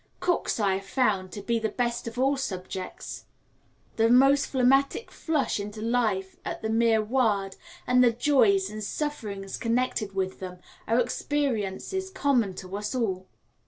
Cooks I have found to be the best of all subjects the most phlegmatic flush into life at the mere word, and the joys and sufferings connected with them are experiences common to us all.